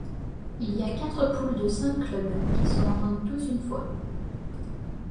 Il y a quatre poules de cinq clubs qui se rencontrent tous une fois.